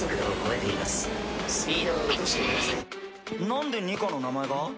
なんでニカの名前が？